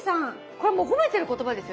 これもう褒めてる言葉ですよね。